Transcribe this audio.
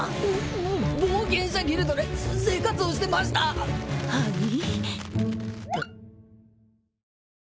ぼ冒険者ギルドで生活をしてましたはい？